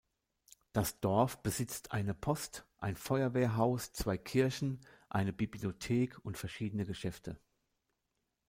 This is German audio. Das Dorf besitzt eine Post, ein Feuerwehrhaus, zwei Kirchen, eine Bibliothek und verschiedene Geschäfte.